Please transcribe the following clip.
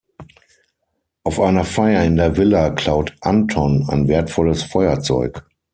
Auf einer Feier in der Villa klaut Anton ein wertvolles Feuerzeug.